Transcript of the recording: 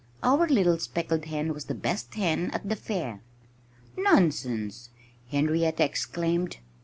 "Our little speckled hen was the best hen at the fair!" "Nonsense!" Henrietta exclaimed.